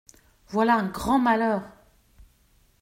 Voilà un grand malheur !